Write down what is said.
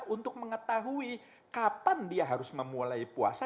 untuk mengetahui kapan dia harus memulai puasa